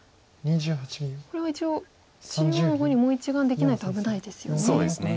これは一応中央の方にもう１眼できないと危ないですよね。